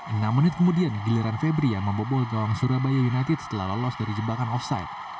enam menit kemudian giliran febri yang membobol gawang surabaya united setelah lolos dari jebakan offside